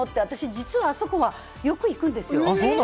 実は私はあそこ、よく行くんですよ。